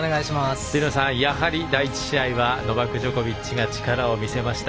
辻野さん、やはり第１試合がノバク・ジョコビッチが力を見せました。